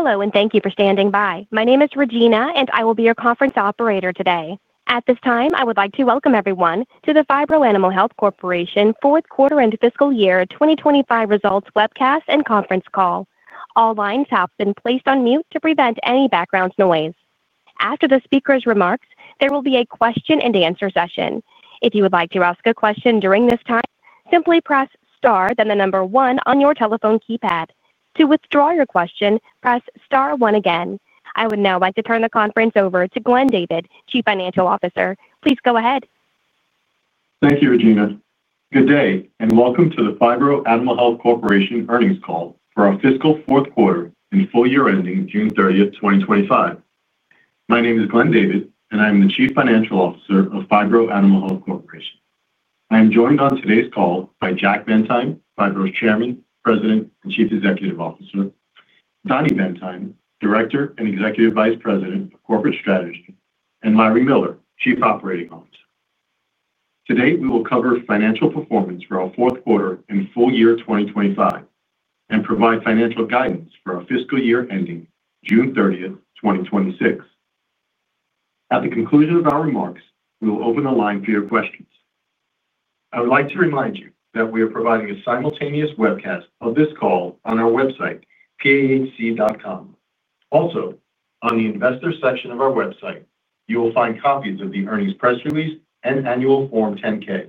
Hello, and thank you for standing by. My name is Regina, and I will be your conference operator today. At this time, I would like to welcome everyone to the Phibro Animal Health Corporation Fourth Quarter and Fiscal Year 2025 Results Webcast and Conference Call. All lines have been placed on mute to prevent any background noise. After the speaker's remarks, there will be a question and answer session. If you would like to ask a question during this time, simply press star then the number one on your telephone keypad. To withdraw your question, press star one again. I would now like to turn the conference over to Glenn David, Chief Financial Officer. Please go ahead. Thank you, Regina. Good day, and welcome to the Phibro Animal Health Corporation Earnings Call for our fiscal Fourth Quarter and Full Year ending June 30th, 2025. My name is Glenn David, and I am the Chief Financial Officer of Phibro Animal Health Corporation. I am joined on today's call by Jack Bendheim, Phibro's Chairman, President, and Chief Executive Officer, Donny Bendheim, Director and Executive Vice President of Corporate Strategy, and Larry Miller, Chief Operating Officer. Today, we will cover financial performance for our fourth quarter and full year 2025 and provide financial guidance for our fiscal year ending June 30th, 2026. At the conclusion of our remarks, we will open the line for your questions. I would like to remind you that we are providing a simultaneous webcast of this call on our website, pahc.com. Also, on the Investor section of our website, you will find copies of the earnings press release and annual Form 10-K,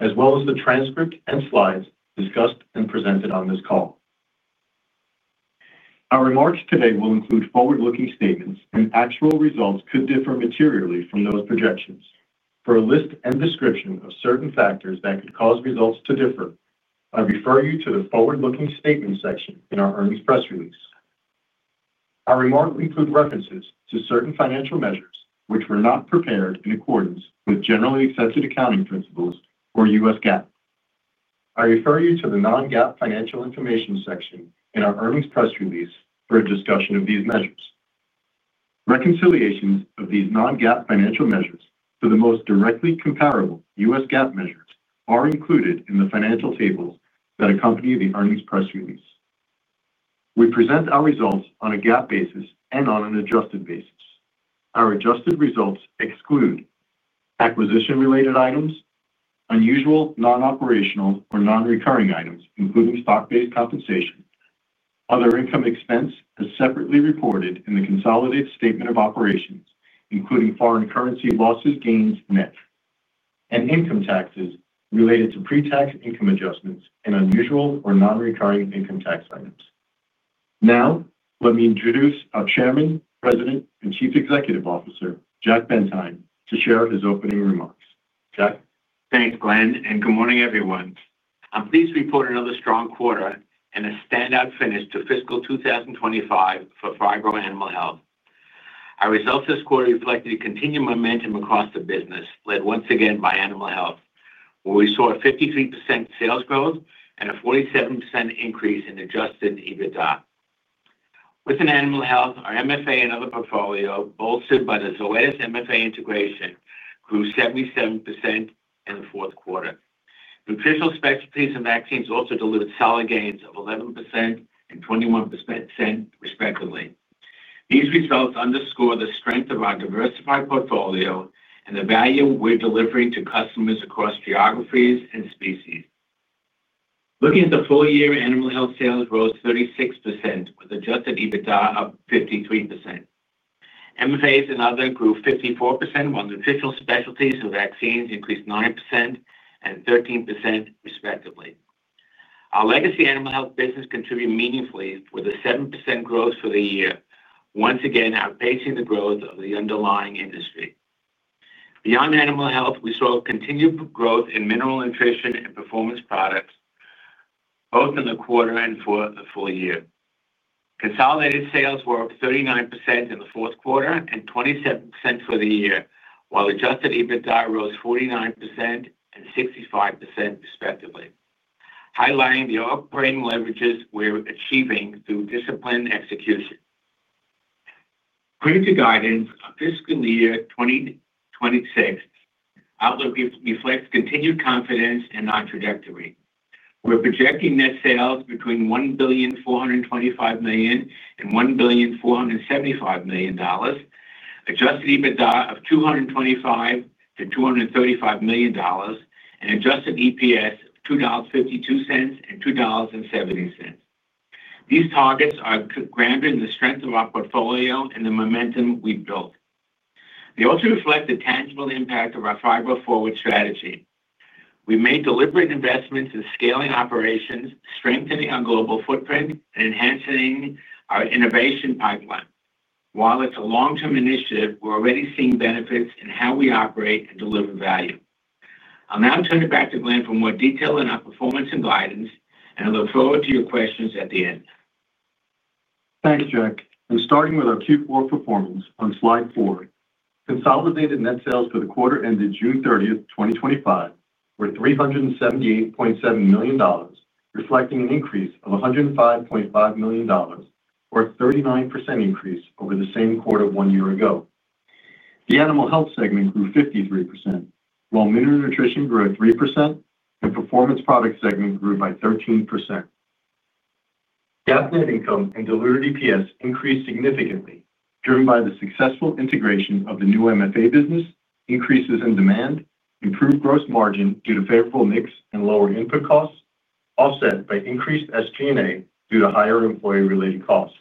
as well as the transcript and slides discussed and presented on this call. Our remarks today will include forward-looking statements, and actual results could differ materially from those projections. For a list and description of certain factors that could cause results to differ, I refer you to the Forward Looking Statements section in our earnings press release. Our remarks include references to certain financial measures which were not prepared in accordance with generally accepted accounting principles or U.S. GAAP. I refer you to the Non-GAAP Financial Information section in our earnings press release for a discussion of these measures. Reconciliations of these Non-GAAP Financial Measures to the most directly comparable U.S. GAAP measures are included in the financial tables that accompany the earnings press release. We present our results on a GAAP basis and on an adjusted basis. Our adjusted results exclude acquisition-related items, unusual non-operational or non-recurring items, including stock-based compensation, other income expense as separately reported in the Consolidated Statement of Operations, including foreign currency losses, gains, net, and income taxes related to pre-tax income adjustments and unusual or non-recurring income tax items. Now, let me introduce our Chairman, President, and Chief Executive Officer, Jack Bendheim, to share his opening remarks. Jack? Thanks, Glenn, and good morning, everyone. I'm pleased to report another strong quarter and a standout finish to fiscal 2025 for Phibro Animal Health. Our results this quarter reflected continued momentum across the business, led once again by Animal Health, where we saw a 53% sales growth and a 47% increase in adjusted EBITDA. Within Animal Health, our medicated feed additives (MFA) and other portfolio, bolstered b`y the Zoetis MFA integration, grew 77% in the fourth quarter. Nutritional specialties and vaccines also delivered solid gains of 11% and 21%, respectively. These results underscore the strength of our diversified portfolio and the value we're delivering to customers across geographies and species. Looking at the full year, Animal Health sales rose 36% with adjusted EBITDA up 53%. MFAs and other grew 54%, while nutritional specialties and vaccines increased 9% and 13%, respectively. Our legacy Animal Health business contributed meaningfully with a 7% growth for the year, once again outpacing the growth of the underlying industry. Beyond Animal Health, we saw continued growth in mineral nutrition and performance products, both in the quarter and for the full year. Consolidated net sales were up 39% in the fourth quarter and 27% for the year, while adjusted EBITDA rose 49% and 65%, respectively, highlighting the operating leverages we're achieving through disciplined execution. Clear to guidance for fiscal year 2026, outlook reflects continued confidence in our trajectory. We're projecting net sales between $1,425 million and $1,475 million, adjusted EBITDA of $225 million-$235 million, and adjusted EPS $2.52 and $2.70. These targets are grounded in the strength of our portfolio and the momentum we've built. They also reflect the tangible impact of our Phibro Forward initiative. We've made deliberate investments in scaling operations, strengthening our global footprint, and enhancing our innovation pipeline. While it's a long-term initiative, we're already seeing benefits in how we operate and deliver value. I'll now turn it back to Glenn for more detail on our performance and guidance, and I look forward to your questions at the end. Thanks, Jack. Starting with our Q4 performance on slide four, consolidated net sales for the quarter ended June 30th, 2025, were $378.7 million, reflecting an increase of $105.5 million, or a 39% increase over the same quarter one year ago. The Animal Health segment grew 53%, while Mineral Nutrition grew by 3%, and the Performance Products segment grew by 13%. GAAP net income and delivered EPS increased significantly, driven by the successful integration of the new medicated feed additives (MFA) business, increases in demand, improved gross margin due to favorable mix, and lower input costs, offset by increased SG&A due to higher employee-related costs.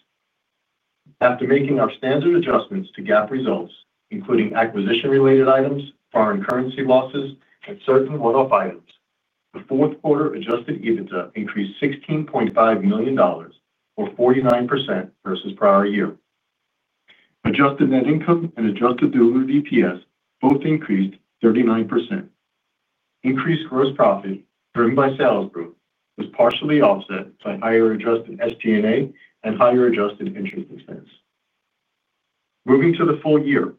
After making our standard adjustments to GAAP results, including acquisition-related items, foreign currency losses, and certain one-off items, the fourth quarter adjusted EBITDA increased $16.5 million, or 49% versus prior year. Adjusted net income and adjusted delivered EPS both increased 39%. Increased gross profits, driven by sales growth, was partially offset by higher adjusted SG&A and higher adjusted interest expense. Moving to the full year,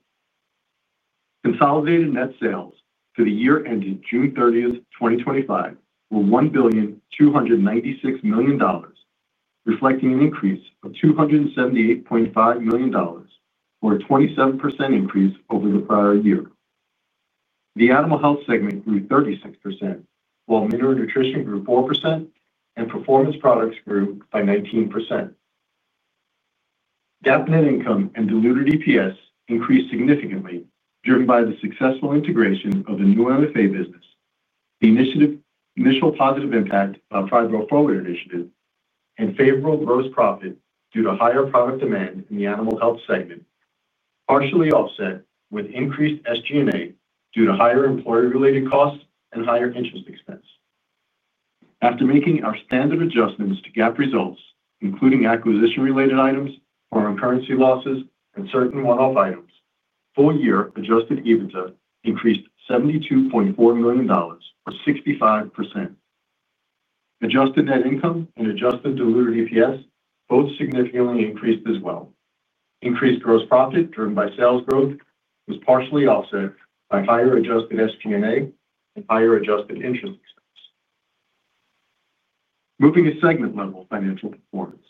consolidated net sales for the year ended June 30th, 2025, were $1,296 million, reflecting an increase of $278.5 million or a 27% increase over the prior year. The Animal Health segment grew 36%, while Mineral Nutrition grew 4%, and Performance Products grew by 19%. GAAP net income and delivered EPS increased significantly, driven by the successful integration of the new medicated feed additives (MFA) business, the initial positive impact of our Phibro Forward initiative, and favorable gross profit due to higher product demand in the Animal Health segment, partially offset with increased SG&A due to higher employee-related costs and higher interest expense. After making our standard adjustments to GAAP results, including acquisition-related items, foreign currency losses, and certain one-off item, full-year adjusted EBITDA increased $72.4 million, or 65%. Adjusted net income and adjusted delivered EPS both significantly increased as well. Increased gross profit, driven by sales growth, was partially offset by higher adjusted SG&A and higher adjusted interest expense. Moving to segment-level financial performance,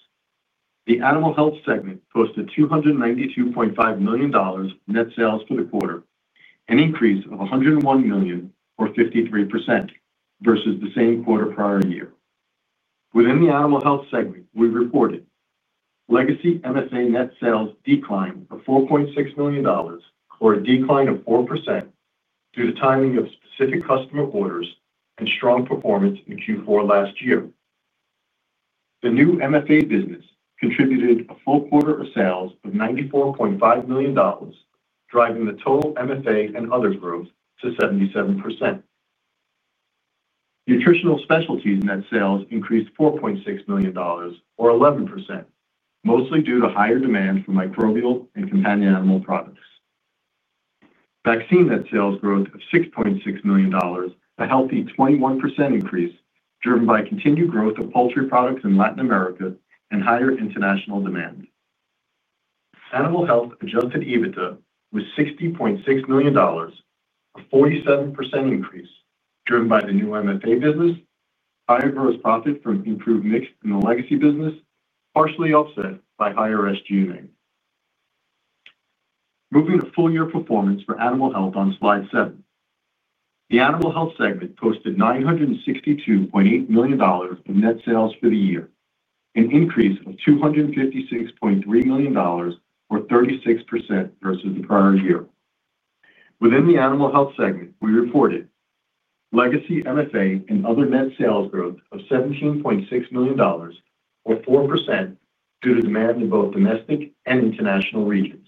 the Animal Health segment posted $292.5 million net sales for the quarter, an increase of $101 million, or 53%, versus the same quarter prior year. Within the Animal Health segment, we've reported legacy MFA net sales declined of $4.6 million, or a decline of 4% due to the timing of specific customer orders and strong performance in Q4 last year. The new MFA business contributed a full quarter of sales of $94.5 million, driving the total MFA and others growth to 77%. Nutritional specialties net sales increased $4.6 million, or 11%, mostly due to higher demand for microbial and companion animal products. Vaccine net sales growth of $6.6 million, a healthy 21% increase, driven by continued growth of poultry products in Latin America and higher international demand. Animal Health adjusted EBITDA was $60.6 million, a 47% increase, driven by the new MFA business, higher gross profit from improved mix in the legacy business, partially offset by higher SG&A. Moving to full-year performance for Animal Health on slide seven, the Animal Health segment posted $962.8 million in net sales for the year, an increase of $256.3 million, or 36% versus the prior year. Within the Animal Health segment, we reported legacy MFA and other net sales growth of $17.6 million, or 4%, due to demand in both domestic and international regions.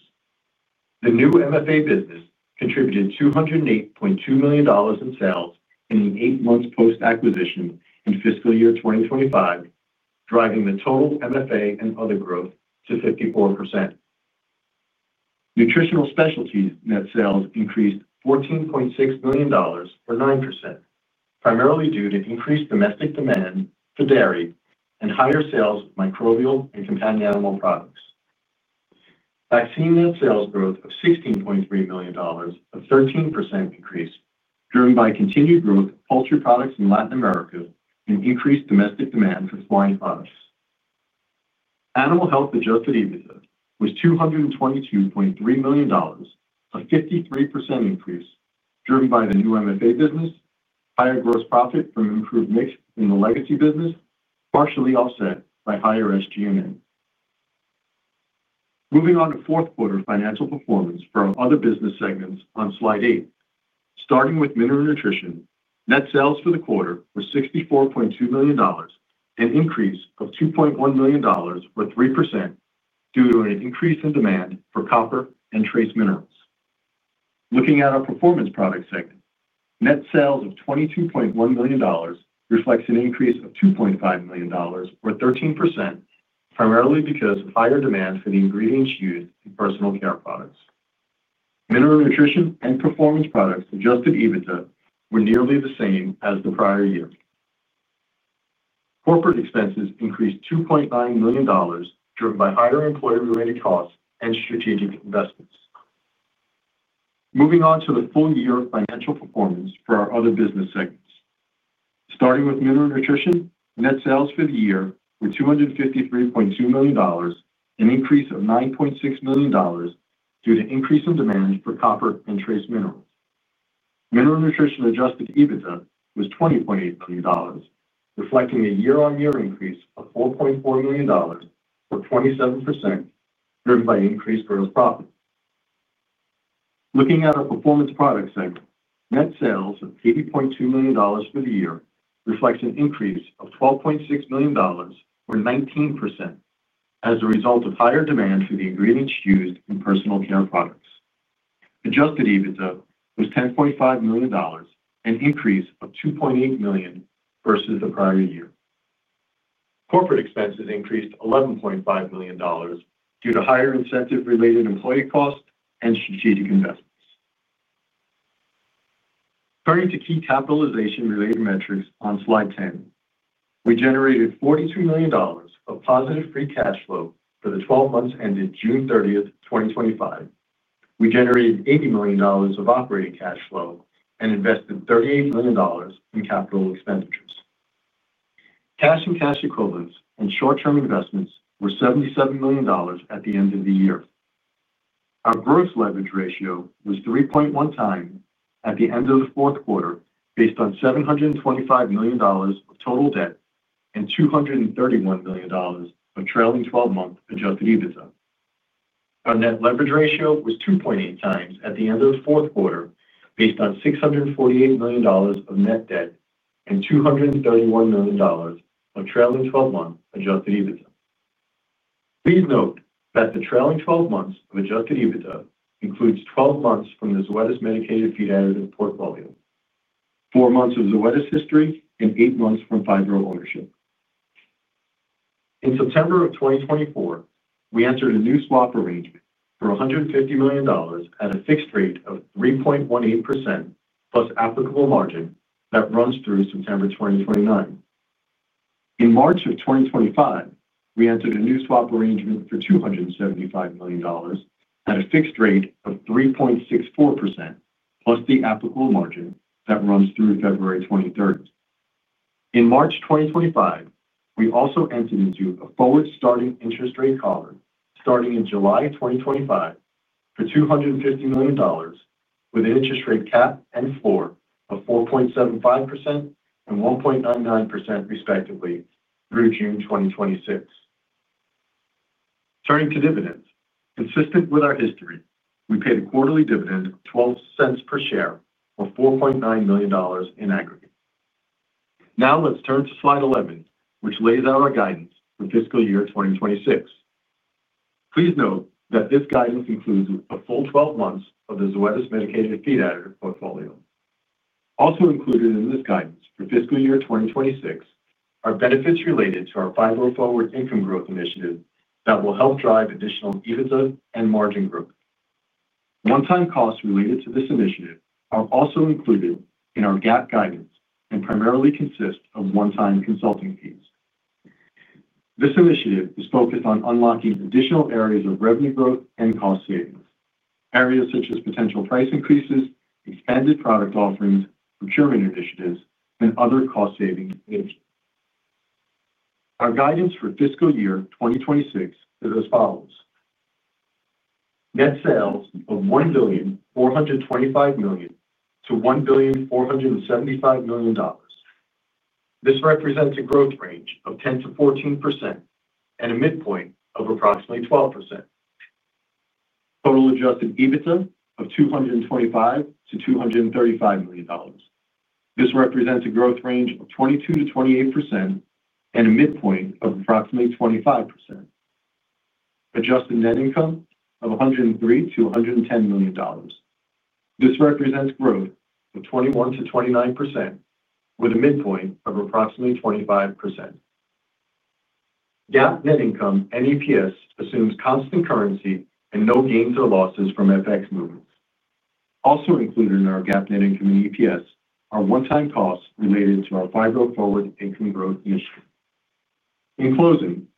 The new MFA business contributed $208.2 million in sales in the eight months post-acquisition in fiscal year 2025, driving the total MFA and other growth to 54%. Nutritional specialties net sales increased $14.6 million, or 9%, primarily due to increased domestic demand for dairy and higher sales of microbial and companion animal products. Vaccine net sales growth of $16.3 million, a 13% increase, driven by continued growth of poultry products in Latin America and increased domestic demand for swine products. Animal Health adjusted EBITDA was $222.3 million, a 53% increase, driven by the new MFA business, higher gross profit from improved mix in the legacy business, partially offset by higher SG&A. Moving on to fourth quarter financial performance for our other business segments on slide eight. Starting with Mineral Nutrition, net sales for the quarter were $64.2 million, an increase of $2.1 million, or 3%, due to an increase in demand for copper and trace minerals. Looking at our Performance Products segment, net sales of $22.1 million reflect an increase of $2.5 million, or 13%, primarily because of higher demand for the ingredients used in personal care products. Mineral Nutrition and Performance Products adjusted EBITDA were nearly the same as the prior year. Corporate expenses increased $2.9 million, driven by higher employee-related costs and strategic investments. Moving on to the full year financial performance for our other business segments. Starting with Mineral Nutrition, net sales for the year were $253.2 million, an increase of $9.6 million due to increase in demand for copper and trace minerals. Mineral Nutrition adjusted EBITDA was $20.8 million, reflecting a year-on-year increase of $4.4 million, or 27%, driven by increased gross profit. Looking at our Performance Products segment, net sales of $80.2 million for the year reflect an increase of $12.6 million, or 19%, as a result of higher demand for the ingredients used in personal care products. Adjusted EBITDA was $10.5 million, an increase of $2.8 million versus the prior year. Corporate expenses increased to $11.5 million due to higher incentive-related employee costs and strategic investments. Turning to key capitalization-related metrics on slide 10, we generated $42 million of positive free cash flow for the 12 months ended June 30, 2025. We generated $80 million of operating cash flow and invested $38 million in capital expenditures. Cash and cash equivalents and short-term investments were $77 million at the end of the year. Our gross leverage ratio was 3.1x at the end of the fourth quarter, based on $725 million of total debt and $231 million of trailing 12-month adjusted EBITDA. Our net leverage ratio was 2.8 times at the end of the fourth quarter, based on $648 million of net debt and $231 million of trailing 12-month adjusted EBITDA. Please note that the trailing 12 months of adjusted EBITDA includes 12 months from the Zoetis medicated feed additives portfolio, four months of Zoetis history, and eight months from Phibro ownership. In September of 2024, we entered a new swap arrangement for $150 million at a fixed rate of 3.18% plus applicable margin that runs through September 2029. In March of 2025, we entered a new swap arrangement for $275 million at a fixed rate of 3.64% plus the applicable margin that runs through February 2030. In March 2025, we also entered into a forward-starting interest rate cap, starting in July 2025 for $250 million, with an interest rate cap and floor of 4.75% and 1.99%, respectively, through June 2026. Turning to dividends, consistent with our history, we paid a quarterly dividend of $0.12 per share or $4.9 million in aggregate. Now let's turn to slide 11, which lays out our guidance for fiscal year 2026. Please note that this guidance includes a full 12 months of the Zoetis medicated feed additives portfolio. Also included in this guidance for fiscal year 2026 are benefits related to our Phibro Forward income growth initiative that will help drive additional EBITDA and margin growth. One-time costs related to this initiative are also included in our GAAP guidance and primarily consist of one-time consulting fees. This initiative is focused on unlocking additional areas of revenue growth and cost savings, areas such as potential price increases, expanded product offerings, procurement initiatives, and other cost-saving initiatives. Our guidance for fiscal year 2026 is as follows: net sales of $1,425 million-$1,475 million. This represents a growth range of 10%-14% and a midpoint of approximately 12%. Total adjusted EBITDA of $225 million-$235 million. This represents a growth range of 22%-28% and a midpoint of approximately 25%. Adjusted net income of $103 million-$110 million. This represents growth of 21%-29% with a midpoint of approximately 25%. GAAP net income and EPS assumes constant currency and no gains or losses from FX movements. Also included in our GAAP net income and EPS are one-time costs related to our Phibro Forward income growth initiative. In closing,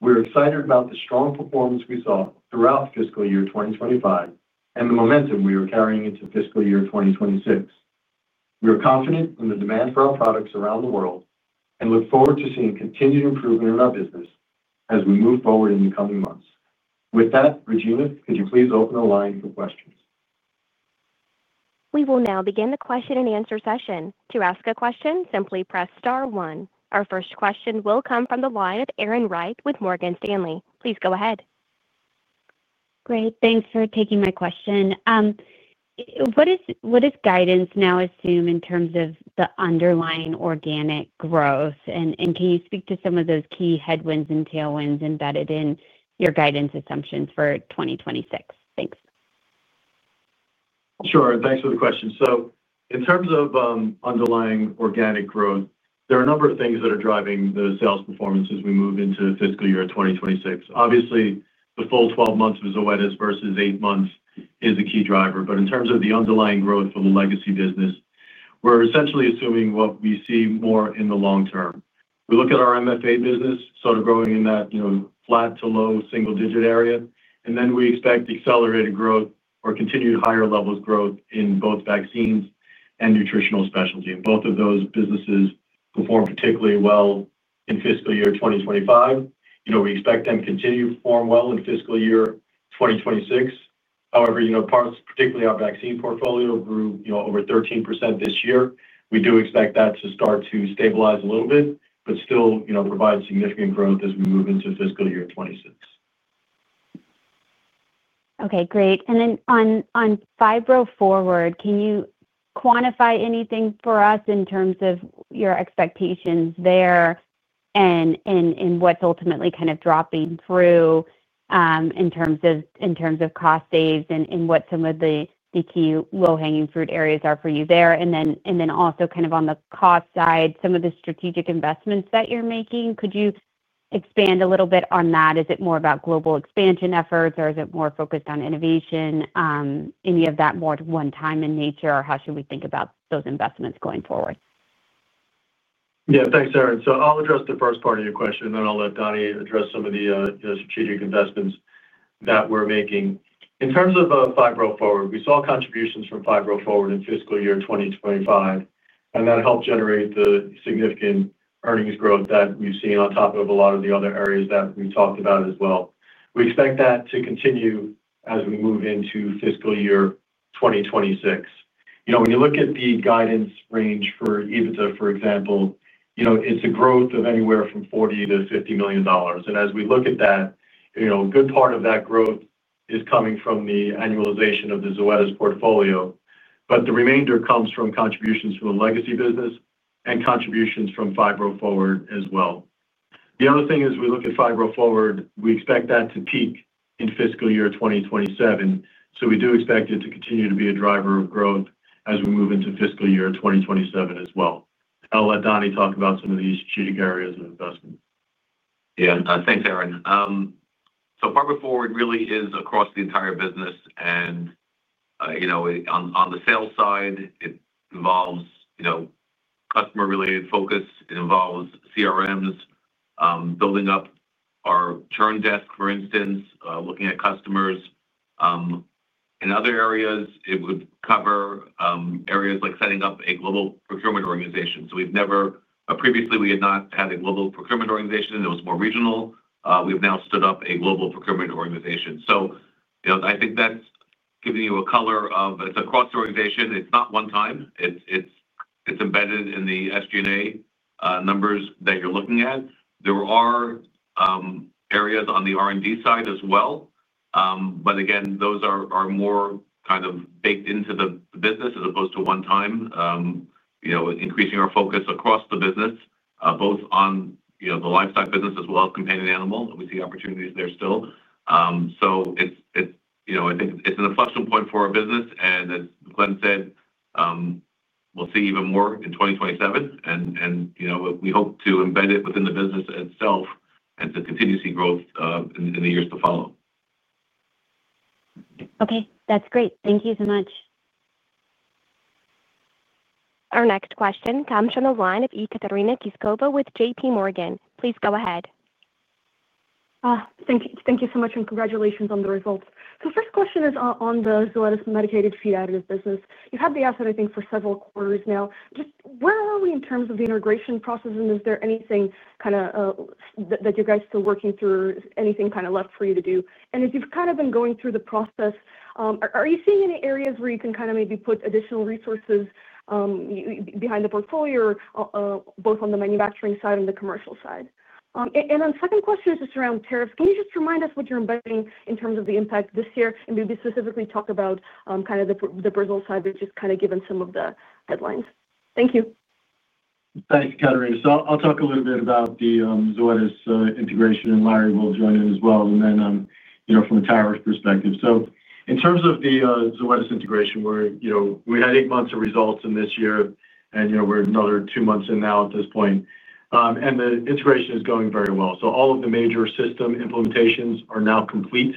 we're excited about the strong performance we saw throughout fiscal year 2025 and the momentum we are carrying into fiscal year 2026. We are confident in the demand for our products around the world and look forward to seeing continued improvement in our business as we move forward in the coming months. With that, Regina, could you please open the line for questions? We will now begin the question and answer session. To ask a question, simply press star one. Our first question will come from the line of Erin Wright with Morgan Stanley. Please go ahead. Great. Thanks for taking my question. What does guidance now assume in terms of the underlying organic growth? Can you speak to some of those key headwinds and tailwinds embedded in your guidance assumptions for 2026? Thanks. Thanks for the question. In terms of underlying organic growth, there are a number of things that are driving the sales performance as we move into fiscal year 2026. Obviously, the full 12 months of Zoetis versus eight months is a key driver. In terms of the underlying growth of the legacy business, we're essentially assuming what we see more in the long term. We look at our medicated feed additives business sort of growing in that flat to low single-digit area, and then we expect accelerated growth or continued higher levels of growth in both vaccines and nutritional specialties. Both of those businesses perform particularly well in fiscal year 2025. We expect them to continue to perform well in fiscal year 2026. However, parts, particularly our vaccine portfolio, grew over 13% this year. We do expect that to start to stabilize a little bit, but still provide significant growth as we move into fiscal year 2026. Okay, great. On Phibro Forward, can you quantify anything for us in terms of your expectations there and what's ultimately kind of dropping through in terms of cost saved and what some of the key low-hanging fruit areas are for you there? Also, on the cost side, some of the strategic investments that you're making, could you expand a little bit on that? Is it more about global expansion efforts, or is it more focused on innovation? Is any of that more one-time in nature, or how should we think about those investments going forward? Yeah, thanks, Erin. I'll address the first part of your question, and then I'll let Donny address some of the strategic investments that we're making. In terms of Phibro Forward, we saw contributions from Phibro Forward in fiscal year 2025, and that helped generate the significant earnings growth that we've seen on top of a lot of the other areas that we talked about as well. We expect that to continue as we move into fiscal year 2026. When you look at the guidance range for EBITDA, for example, it's a growth of anywhere from $40 million-$50 million. As we look at that, a good part of that growth is coming from the annualization of the Zoetis portfolio, but the remainder comes from contributions from the legacy business and contributions from Phibro Forward as well. The other thing is we look at Phibro Forward, we expect that to peak in fiscal year 2027. We do expect it to continue to be a driver of growth as we move into fiscal year 2027 as well. I'll let Donny talk about some of these strategic areas of investment. Yeah, thanks, Erin. Phibro Forward really is across the entire business, and on the sales side, it involves customer-related focus. It involves CRMs, building up our churn desk, for instance, looking at customers. In other areas, it would cover areas like setting up a global procurement organization. Previously, we had not had a global procurement organization. It was more regional. We've now stood up a global procurement organization. I think that's giving you a color of, it's across the organization. It's not one-time. It's embedded in the SG&A numbers that you're looking at. There are areas on the R&D side as well. Those are more kind of baked into the business as opposed to one-time, increasing our focus across the business, both on the livestock business as well as companion animal. We see opportunities there still. I think it's an inflection point for our business. As Glenn said, we'll see even more in 2027. We hope to embed it within the business itself and to continue to see growth in the years to follow. Okay, that's great. Thank you so much. Our next question comes from the line of Katarína Líšková with JPMorgan. Please go ahead. Thank you so much, and congratulations on the results. First question is on the Zoetis medicated feed additives business. You've had the asset, I think, for several quarters now. Where are we in terms of the integration process, and is there anything that you guys are still working through? Anything left for you to do? As you've been going through the process, are you seeing any areas where you can maybe put additional resources behind the portfolio, both on the manufacturing side and the commercial side? The second question is just around tariffs. Can you remind us what you're embedding in terms of the impact this year and maybe specifically talk about the Brazil side, which has given some of the headlines? Thank you. Thanks, Katarína. I'll talk a little bit about the Zoetis integration, and Larry will join in as well. From a tariff perspective, in terms of the Zoetis integration, we had eight months of results in this year, and we're another two months in now at this point. The integration is going very well. All of the major system implementations are now complete.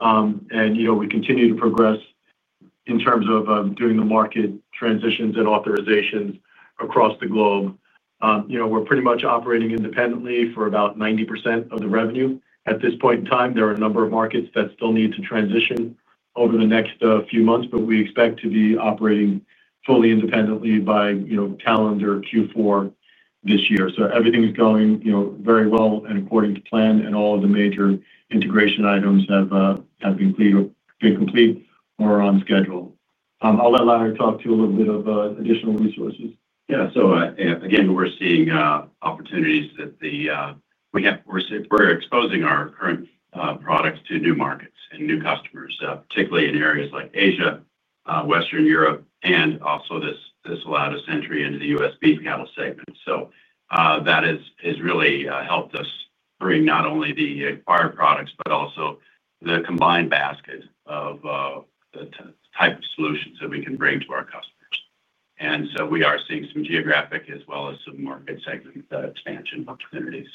We continue to progress in terms of doing the market transitions and authorizations across the globe. We're pretty much operating independently for about 90% of the revenue at this point in time. There are a number of markets that still need to transition over the next few months, but we expect to be operating fully independently by calendar Q4 this year. Everything's going very well and according to plan, and all of the major integration items have been complete or on schedule. I'll let Larry talk to you a little bit about additional resources. Yeah, we're seeing opportunities that we have, we're exposing our current products to new markets and new customers, particularly in areas like Asia, Western Europe, and also this allowed us entry into the U.S. [big] cattle segment. That has really helped us bring not only the acquired products, but also the combined basket of the type of solutions that we can bring to our customers. We are seeing some geographic as well as some market segment expansion opportunities.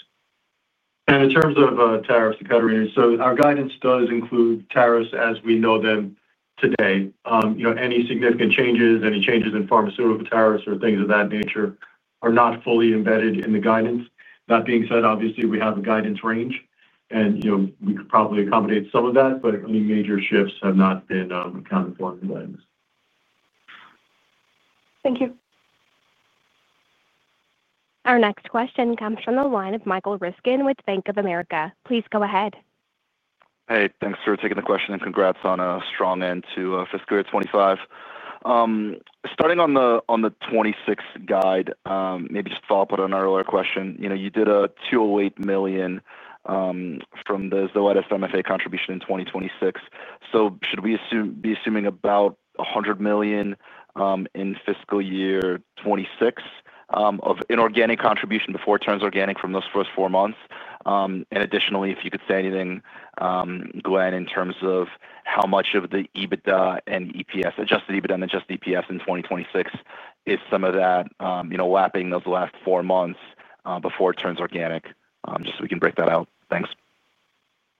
In terms of tariffs, Katerina, our guidance does include tariffs as we know them today. Any significant changes, any changes in pharmaceutical tariffs or things of that nature are not fully embedded in the guidance. That being said, obviously, we have a guidance range, and we could probably accommodate some of that, but any major shifts have not been out of the blind lines. Thank you. Our next question comes from the line of Michael Ryskin with Bank of America. Please go ahead. Hey, thanks for taking the question, and congrats on a strong end to fiscal year 2025. Starting on the 2026 guide, maybe just to follow up on an earlier question, you did a $208 million from the Zoetis MFA contribution in 2026. Should we be assuming about $100 million in fiscal year 2026 of inorganic contribution before it turns organic from those first four months? Additionally, if you could say anything, Glenn, in terms of how much of the EBITDA and EPS, adjusted EBITDA and adjusted EPS in 2026, is some of that lapping those last four months before it turns organic? Just so we can break that out. Thanks.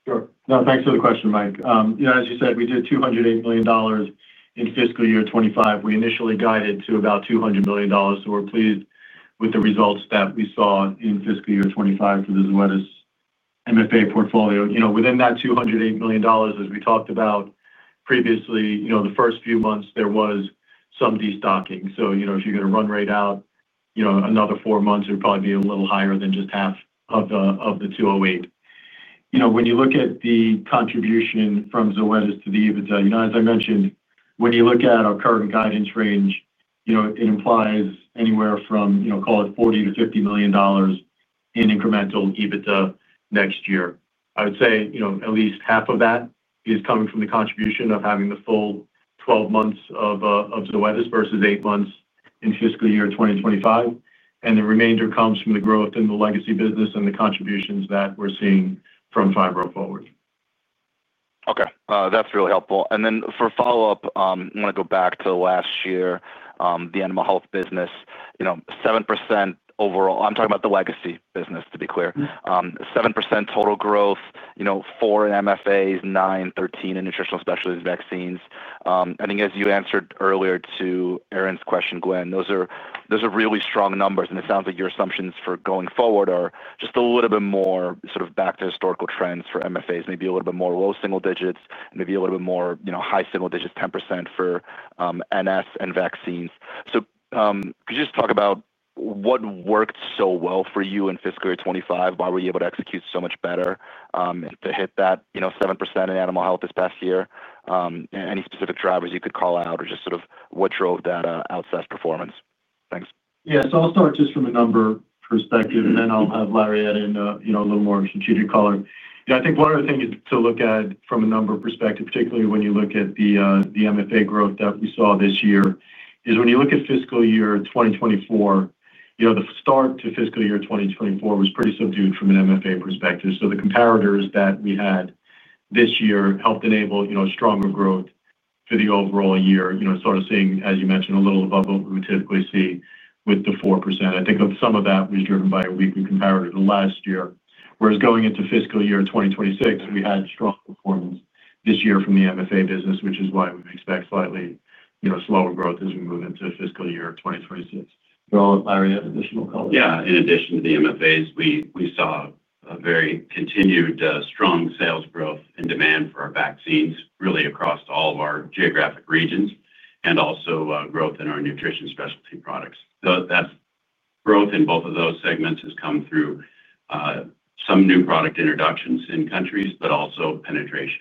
Sure. No, thanks for the question, Mike. As you said, we did $208 million in fiscal year 2025. We initially guided to about $200 million, so we're pleased with the results that we saw in fiscal year 2025 for the Zoetis medicated feed additives (MFA) portfolio. Within that $208 million, as we talked about previously, the first few months, there was some destocking. If you're going to run rate out another four months, it would probably be a little higher than just half of the $208 million. When you look at the contribution from Zoetis to the EBITDA, as I mentioned, when you look at our current guidance range, it implies anywhere from $40 million-$50 million in incremental EBITDA next year. I would say at least half of that is coming from the contribution of having the full 12 months of Zoetis versus eight months in fiscal year 2025. The remainder comes from the growth in the legacy business and the contributions that we're seeing from the Phibro Forward initiative. Okay, that's really helpful. For follow-up, I want to go back to last year, the animal health business, you know, 7% overall. I'm talking about the legacy business, to be clear. 7% total growth, you know, four in MFAs, nine, 13 in nutritional specialties vaccines. I think as you answered earlier to Erin's question, Glenn, those are really strong numbers. It sounds like your assumptions for going forward are just a little bit more sort of back to historical trends for MFAs, maybe a little bit more low single digits, maybe a little bit more, you know, high single digits, 10% for NF and vaccines. Could you just talk about what worked so well for you in fiscal year 2025? Why were you able to execute so much better to hit that, you know, 7% in Animal Health this past year? Any specific drivers you could call out or just sort of what drove that outsized performance? Thanks. I'll start just from a number perspective, and then I'll have Larry add in a little more of a strategic color. I think one of the things to look at from a number perspective, particularly when you look at the MFA growth that we saw this year, is when you look at fiscal year 2024, the start to fiscal year 2024 was pretty subdued from an MFA perspective. The comparators that we had this year helped enable stronger growth for the overall year, sort of seeing, as you mentioned, a little above what we would typically see with the 4%. I think some of that was driven by a weak comparator than last year. Whereas going into fiscal year 2026, we had strong performance this year from the MFA business, which is why we would expect slightly slower growth as we move into fiscal year 2026. In addition to the MFAs, we saw a very continued strong sales growth in demand for our vaccines, really across all of our geographic regions, and also growth in our nutritional specialties products. That growth in both of those segments has come through some new product introductions in countries, but also penetration.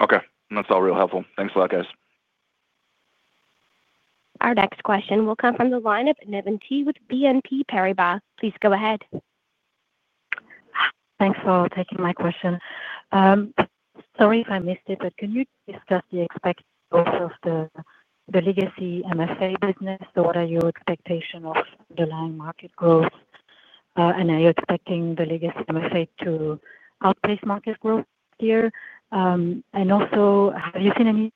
Okay, that's all really helpful. Thanks for that, guys. Our next question will come from the line of Navann Ty with BNP Paribas. Please go ahead. Thanks for taking my question. Sorry if I missed it, but can you discuss the expectations of the legacy medicated feed additives business? What are your expectations of the line market growth? Are you expecting the legacy MFA to outpace market growth here? Also, have you seen any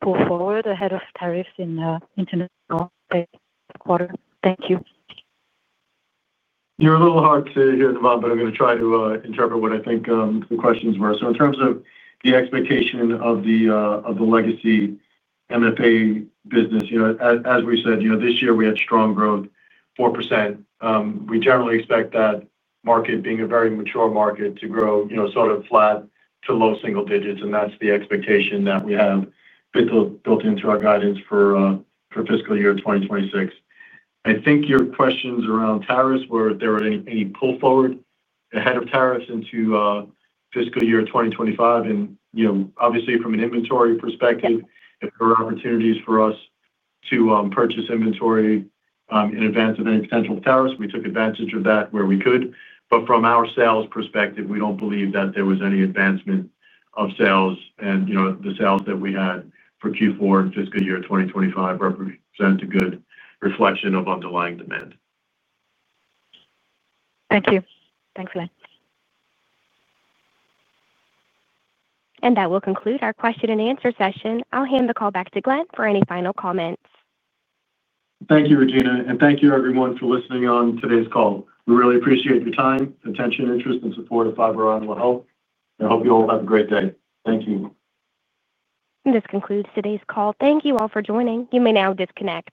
pull forward ahead of tariffs in the international quarter? Thank you. You're a little hard to hear them out, but I'm going to try to interpret what I think the questions were. In terms of the expectation of the legacy MFA business, you know, as we said, this year we had strong growth, 4%. We generally expect that market, being a very mature market, to grow sort of flat to low single digits, and that's the expectation that we have been built into our guidance for fiscal year 2026. I think your questions around tariffs, were there any pull forward ahead of tariffs into fiscal year 2025? Obviously, from an inventory perspective, if there are opportunities for us to purchase inventory in advance of any potential tariffs, we took advantage of that where we could. From our sales perspective, we don't believe that there was any advancement of sales, and the sales that we had for Q4 and fiscal year 2025 represented a good reflection of underlying demand. Thank you. Thanks, Glenn. That will conclude our question and answer session. I'll hand the call back to Glenn for any final comments. Thank you, Regina, and thank you, everyone, for listening on today's call. We really appreciate your time, attention, interest, and support at Phibro Animal Health. I hope you all have a great day. Thank you. This concludes today's call. Thank you all for joining. You may now disconnect.